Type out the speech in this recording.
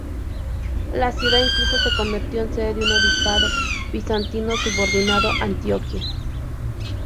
La ciudad incluso se convirtió en sede de un obispado bizantino subordinado a Antioquía.